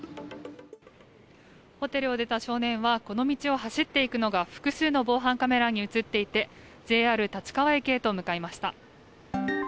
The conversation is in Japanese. ホテルを出た少年はこの道を走っていくのが複数の防犯カメラに映っていてＪＲ立川駅へと向かいました。